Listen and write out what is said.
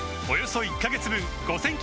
およそ１カ月分